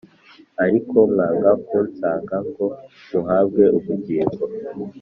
Ariko mwanga kunsanga ngo muhabwe ubugingo